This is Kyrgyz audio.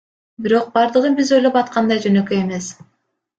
Бирок бардыгы биз ойлоп аткандай жөнөкөй эмес.